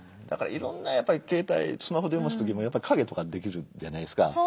だからいろんな携帯スマホで読ます時もやっぱり影とかできるじゃないですか。